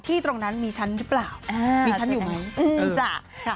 ที่ตรงนั้นมีชั้นหรือเปล่ามีชั้นอยู่นู้น